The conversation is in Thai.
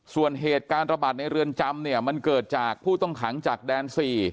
ส่วนเหตุการณ์ระบาดในเรือนจำเนี่ยมันเกิดจากผู้ต้องขังจากแดน๔